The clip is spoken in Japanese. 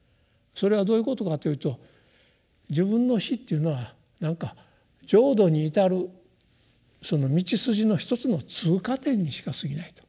それがどういうことかというと自分の死というのは何か浄土に至るその道筋の一つの通過点にしかすぎないと。